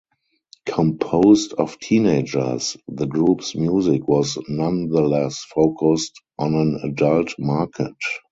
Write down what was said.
Composed of teenagers, the group's music was nonetheless focused on an adult market.